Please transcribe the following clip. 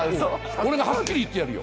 俺がはっきり言ってやるよ。